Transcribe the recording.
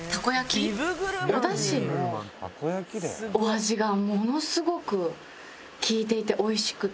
おダシのお味がものすごく利いていて美味しくて。